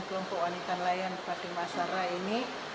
kelompok wanita nelayan fatima azahra ini